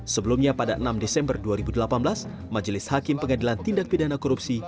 sebelumnya pada enam desember dua ribu delapan belas majelis hakim pengadilan tindak pidana korupsi